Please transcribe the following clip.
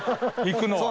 行くのは。